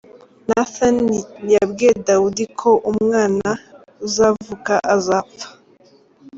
Nathan yabwiye Dawudi ko umwana uzavuka azapfa.